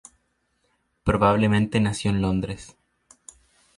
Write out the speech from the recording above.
Probablemente nació en Londres.